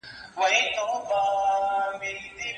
د تیزس لیکل ډېر صبر غواړي.